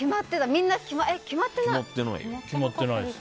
みんな決まってない？